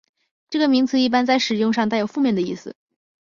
这个名词一般在使用上带有负面的意思。